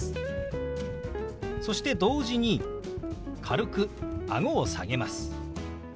そして同時に軽くあごを下げます。